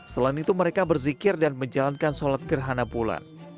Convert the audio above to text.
selain itu mereka berzikir dan menjalankan sholat gerhana bulan